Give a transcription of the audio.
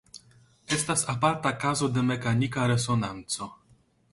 Estas aparta kazo de mekanika resonanco.